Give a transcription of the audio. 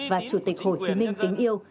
và chủ tịch hồ chí minh kính yêu